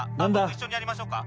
☎僕一緒にやりましょうか